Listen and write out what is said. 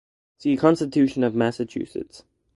See Constitution of Massachusetts.